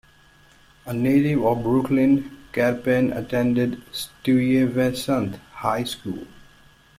A native of Brooklyn, Kerpen attended Stuyvesant High School.